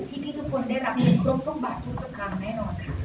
พี่ทุกคนได้รับเงินครบทุกบาททุกสักครั้งแน่นอนค่ะ